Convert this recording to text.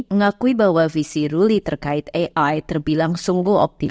mengakui bahwa visi ruli terkait ai terbilang sungguh optimis